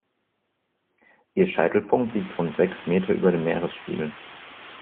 Ihr Scheitelpunkt liegt rund sechs Meter über dem Meeresspiegel.